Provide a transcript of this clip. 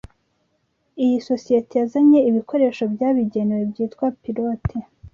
iyi sosiyete yazanye ibikoresho byabigenewe byitwa Pilote